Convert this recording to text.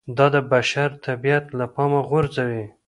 دا د بشر طبیعت له پامه غورځوي